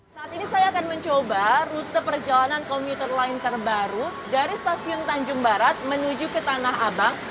saat ini saya akan mencoba rute perjalanan komuter lain terbaru dari stasiun tanjung barat menuju ke tanah abang